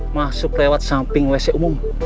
masuk lewat samping wc umum